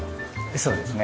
そうですね。